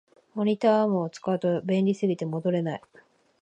モニターアームを使うと便利すぎて戻れない